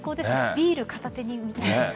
ビール片手に見たいです。